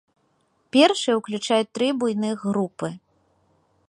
Першыя ўключаюць тры буйных групы.